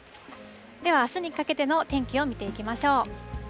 では、あすにかけての天気を見ていきましょう。